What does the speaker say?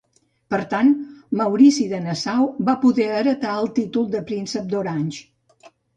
Per tant, Maurici de Nassau va poder heretar el títol de Príncep d'Orange.